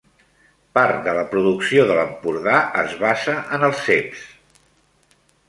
Part de la producció de l'Empordà es basa en els ceps.